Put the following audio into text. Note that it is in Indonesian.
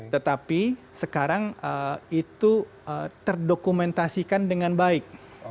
tetapi sekarang itu terdokumentasikan dengan baik